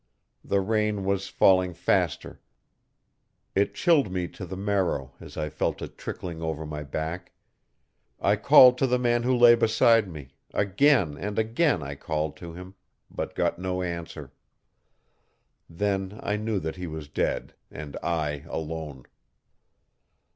The rain was falling faster. It chilled me to the marrow as I felt it trickling over my back. I called to the man who lay beside me again and again I called to him but got no answer. Then I knew that he was dead and I alone.